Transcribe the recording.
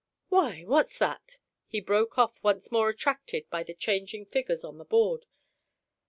Why, what's that?" he broke off, once more attracted by the changing figures on the board.